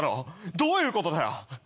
どういうことだよ。